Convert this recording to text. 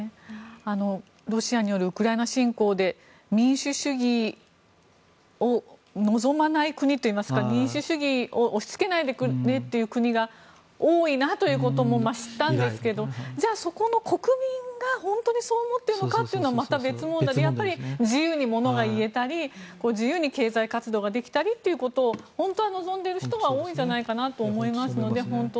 ロシアによるウクライナ侵攻で民主主義を望まない国といいますか民主主義を押しつけないでくれっていう国が多いなということも知ったんですがじゃあ、そこの国民が本当にそう思っているのかというのはまた別問題で自由にものが言えたり自由に経済活動ができたりということを本当は望んでいる人は多いんじゃないかなと思いますので。